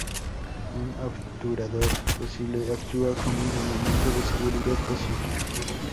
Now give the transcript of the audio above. Un obturador fusible actúa como un elemento de seguridad pasivo.